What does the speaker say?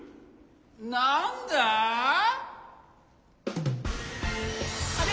なんだ？あれ？